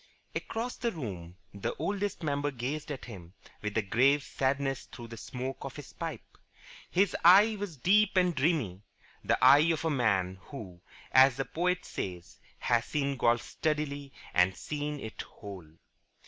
Across the room the Oldest Member gazed at him with a grave sadness through the smoke of his pipe. His eye was deep and dreamy the eye of a man who, as the poet says, has seen Golf steadily and seen it whole.